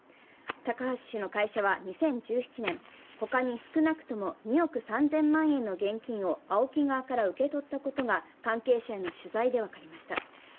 高橋氏の会社は２０１７年他に少なくとも、２億３０００万円の現金をＡＯＫＩ側から受け取ったことが関係者への取材で分かりました。